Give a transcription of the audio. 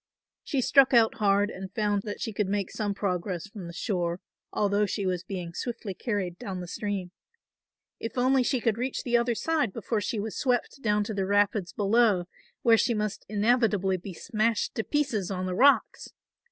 She struck out hard and found that she could make some progress from the shore although she was being swiftly carried down the stream. If only she could reach the other side before she was swept down to the rapids below, where she must inevitably be smashed to pieces on the rocks!